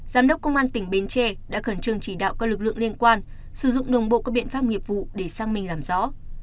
giám đốc công an tỉnh bến tre đã khẩn trương chỉ đạo các lực lượng liên quan sử dụng đồng bộ các biện pháp nghiệp vụ để sang mình làm rõ